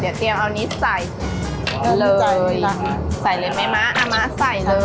เดี๋ยวเตรียมเอานี้แสบเลยใส่เลยไหมมะอ้าวม้าใส่เลย